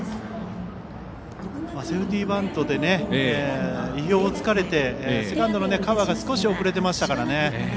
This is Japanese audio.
セーフティーバントで意表を突かれてセカンドのカバーが少し遅れてましたからね。